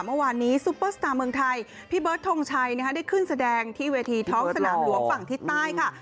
เมื่อวานนี้ซุปเปอร์สตาร์เมืองไทยพี่เบิร์ดทงชัยได้ขึ้นแสดงที่เวทีท้องสนามหลวงฝั่งทิศใต้ค่ะ